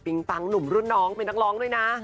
ฟังหนุ่มรุ่นน้องเป็นนักร้องด้วยนะ